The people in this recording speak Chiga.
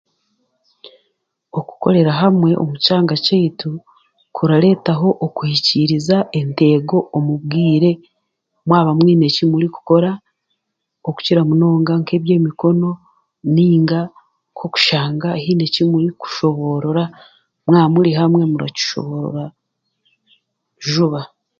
Okukorera hamwe omu kyanga kyeitu kuraretaho okuhikiriza enteego omubwire mwaba mwine eki murikukora okukira munonga nk'ebyemikono nainga nk'okushanga haine eki murikushoboorora mwaba muri hamwe murakishoboorora juuba.